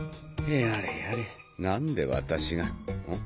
やれやれ何で私がん？